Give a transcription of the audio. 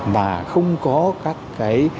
và không có các cái